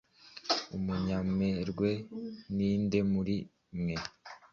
umunyamerwe ninde muri mwe